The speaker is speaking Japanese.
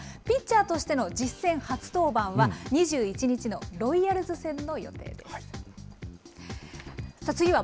ピッチャーとしての実戦初登板は、２１日のロイヤルズ戦の予定です。